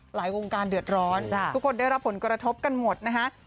วงการเดือดร้อนทุกคนได้รับผลกระทบกันหมดนะฮะ